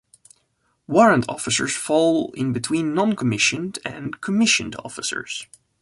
Warrant Officers fall in between non-commissioned and commissioned officers.